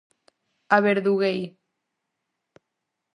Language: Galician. Averduguei.